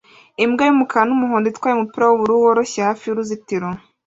Imbwa y'umukara n'umuhondo itwaye umupira w'ubururu woroshye hafi y'uruzitiro